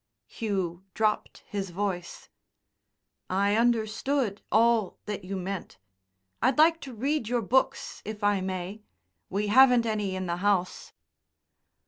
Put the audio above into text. Hugh dropped his voice. "I understood all that you meant. I'd like to read your books if I may. We haven't any in the house."